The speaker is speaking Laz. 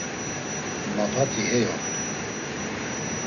Mapati hey ort̆u.